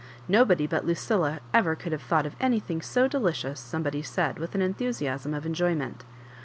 "Nobody but Lucilla ever could have thought of anything so delicious," somebody said, with an enthusiasm of enjoyment.